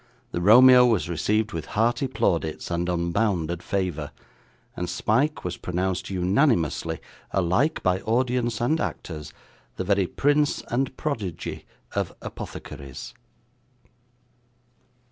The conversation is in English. The Romeo was received with hearty plaudits and unbounded favour, and Smike was pronounced unanimously, alike by audience and actors, the very prince and prodigy of Apothecaries.